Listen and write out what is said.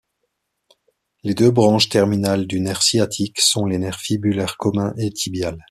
Les deux branches terminales du nerf sciatique sont les nerfs fibulaire commun et tibial.